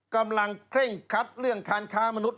กำลังเคร่งคัดเรื่องการค้ามนุษย